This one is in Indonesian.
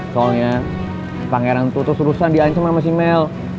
soalnya pangeran tuh terus terusan di ancem sama si mel